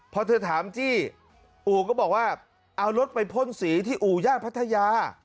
พอเธอถามจี้อู่ก็บอกว่าเอารถไปพ่นสีที่อู่ย่านพัทยา